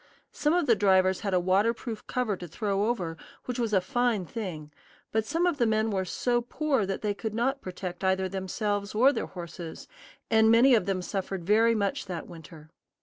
Some of the drivers had a waterproof cover to throw over, which was a fine thing; but some of the men were so poor that they could not protect either themselves or their horses, and many of them suffered very much that winter.